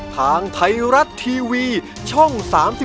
ทางไทยรัฐทีวีช่อง๓๒